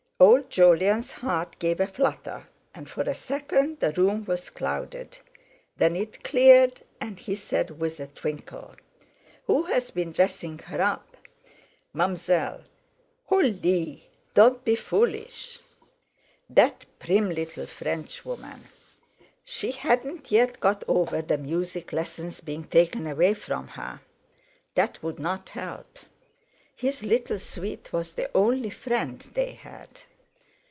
Old Jolyon's heart gave a flutter, and for a second the room was clouded; then it cleared, and he said with a twinkle: "Who's been dressing her up?" "Mam'zelle." "Hollee! Don't be foolish!" That prim little Frenchwoman! She hadn't yet got over the music lessons being taken away from her. That wouldn't help. His little sweet was the only friend they had.